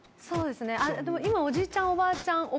そうですねでも今おじいちゃんおばあちゃん